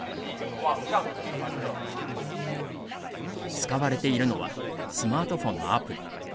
使われているのはスマートフォンのアプリ。